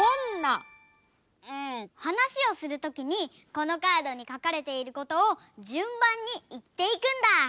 はなしをするときにこのカードにかかれていることをじゅんばんにいっていくんだ！